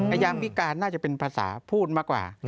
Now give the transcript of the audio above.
ยามพิการน่าจะเป็นภาษาพูดมากกว่า